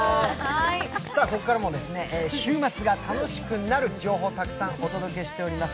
ここからも週末が楽しくなる情報たくさんお届けしてまいります。